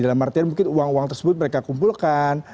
dalam artian mungkin uang uang tersebut mereka kumpulkan